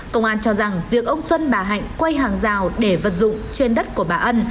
công an cho rằng việc ông xuân bà hạnh quay hàng rào để vật dụng trên đất của bà ân